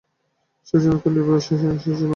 সেইজন্যই তো নির্ভয়ে এসেছিলুম।